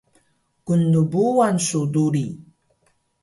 gnrbuwan su duri!